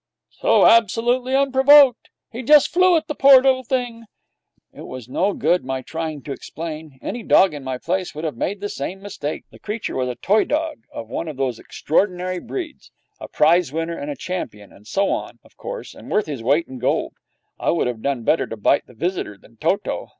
'So absolutely unprovoked!' 'He just flew at the poor little thing!' It was no good my trying to explain. Any dog in my place would have made the same mistake. The creature was a toy dog of one of those extraordinary breeds a prize winner and champion, and so on, of course, and worth his weight in gold. I would have done better to bite the visitor than Toto.